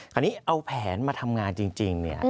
คราวนี้เอาแผนมาทำงานจริงเนี่ย